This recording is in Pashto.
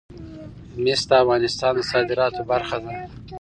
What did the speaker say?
مس د افغانستان د صادراتو برخه ده.